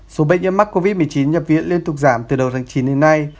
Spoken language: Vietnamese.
số bệnh nhân mắc covid một mươi chín nhập viện liên tục giảm từ đầu tháng chín đến nay